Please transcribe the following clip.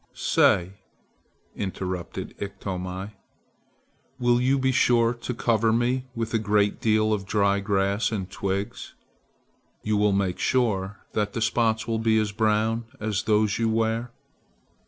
"Say," interrupted Ikto, "will you be sure to cover me with a great deal of dry grass and twigs? You will make sure that the spots will be as brown as those you wear."